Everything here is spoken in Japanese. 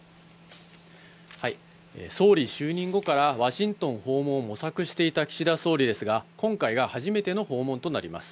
総理就任後からワシントン訪問を模索していた岸田総理大臣ですが、今回が初めての訪問となります。